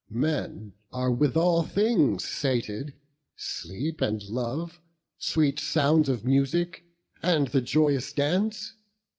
Men are with all things sated; sleep and love; Sweet sounds of music, and the joyous dance.